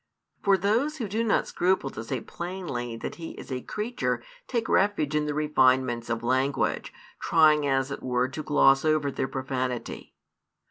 For those who do not scruple to say plainly that He is a creature take refuge in refinements of language, trying as it were to gloss over their profanity.